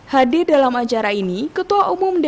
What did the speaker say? hadir dalam acara ini ketua umumnya